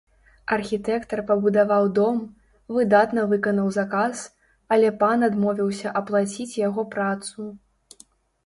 Архітэктар пабудаваў дом, выдатна выканаў заказ, але пан адмовіўся аплаціць яго працу.